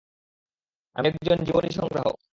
আমি একজন জীবনী সংগ্রাহক।